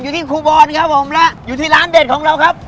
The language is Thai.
ครูบอลครับผมและอยู่ที่ร้านเด็ดของเราครับ